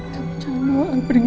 kamu jangan bawa al pergi